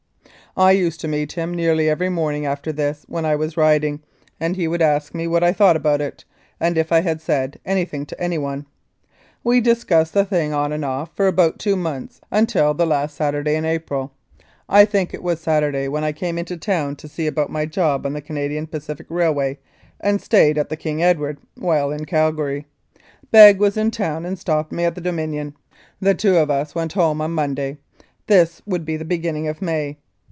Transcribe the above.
I used to meet him nearly every morning after this when I was riding, and he would ask me what I thought about it, and if I had said anything to anyone. We discussed the thing on and off for about two months until the last Saturday in April; I think it was Saturday when I came into town to see about my job on the Canadian Pacific Railway and stayed at the ' King Edward ' while in Calgary. Begg was in town and stopped at the * Dominion.' The two of us went home on Monday this would be the beginning of May.